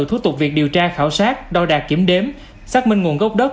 thủ tục việc điều tra khảo sát đo đạt kiểm đếm xác minh nguồn gốc đất